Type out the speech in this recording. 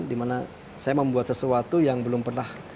dimana saya membuat sesuatu yang belum pernah